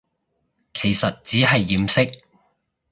其實只係掩飾